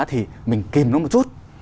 thì mình kìm nó một chút